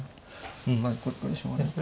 まあこれでしょうがないか。